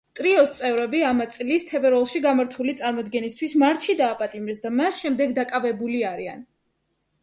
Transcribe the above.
ტრიოს წევრები ამა წლის თებერვალში გამართული წარმოდგენისთვის მარტში დააპატიმრეს და მას შემდეგ დაკავებული არიან.